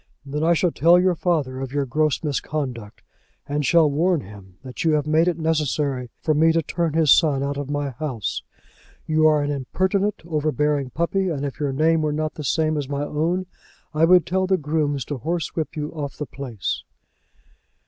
"Then I shall tell your father of your gross misconduct, and shall warn him that you have made it necessary for me to turn his son out of my house. You are an impertinent, overbearing puppy, and if your name were not the same as my own, I would tell the grooms to horsewhip you off the place."